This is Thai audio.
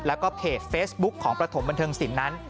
แล้วก็เพจเฟซบุ๊คของประถมบันเทิงศิลป์นั้น